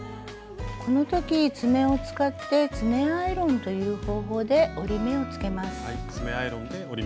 この時爪を使って「爪アイロン」という方法で折り目をつけます。